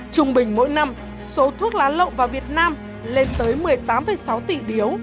trung bình mỗi năm số thuốc lá lậu vào việt nam lên tới một mươi tám sáu mươi tám